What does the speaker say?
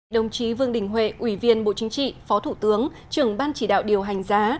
đồng chí vương đình huệ ủy viên bộ chính trị phó thủ tướng trưởng ban chỉ đạo điều hành giá